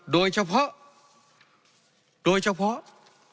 โดยเฉพาะโดยเฉพาะ